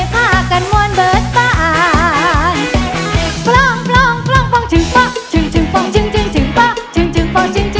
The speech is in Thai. ปล้อง